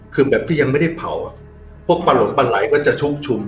คือแบบที่ยังไม่ได้เผาอ่ะพวกปลาหลงปลาไหล่ก็จะชกชุม